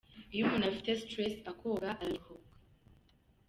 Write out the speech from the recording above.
Iyo umuntu afite stress akoga araruhuka.